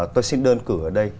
tôi xin đơn cử ở đây